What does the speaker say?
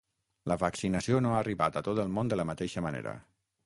La vaccinació no ha arribat a tot el món de la mateixa manera.